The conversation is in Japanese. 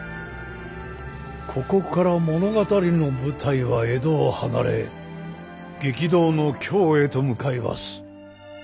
ここから物語の舞台は江戸を離れ激動の京へと向かいます。